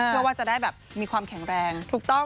เพื่อว่าจะได้แบบมีความแข็งแรง